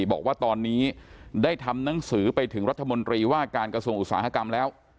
บอกว่าตอนนี้ได้ทำหนังสือไปถึงรัฐมนตรีว่าการกระทรวงอุตสาหกรรมแล้ว